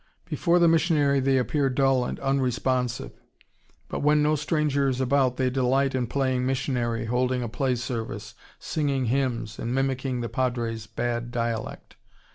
Before the missionary they appear dull and unresponsive, but when no stranger is about they delight in playing missionary, holding a play service, singing hymns, and mimicking the padre's bad dialect.